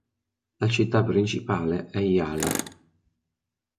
La città principale è Yala.